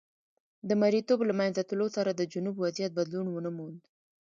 د مریتوب له منځه تلو سره د جنوب وضعیت بدلون ونه موند.